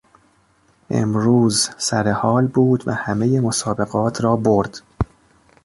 امروز سرحال بود و همهی مسابقات را برد.